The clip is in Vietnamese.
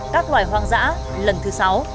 các loài hoang dã lần thứ sáu